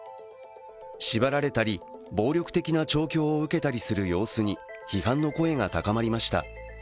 縛られたり暴力的な調教を受けたりする様子に批判の声が高まりました。